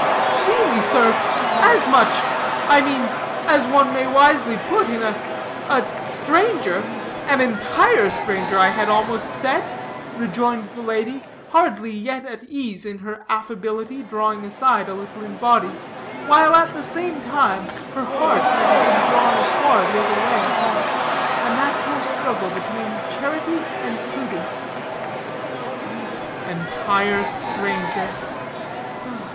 "Really, sir as much I mean, as one may wisely put in a a stranger, an entire stranger, I had almost said," rejoined the lady, hardly yet at ease in her affability, drawing aside a little in body, while at the same time her heart might have been drawn as far the other way. A natural struggle between charity and prudence. "Entire stranger!"